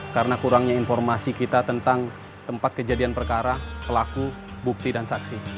karena kurangnya informasi kita tentang tempat kejadian perkara pelaku bukti dan saksi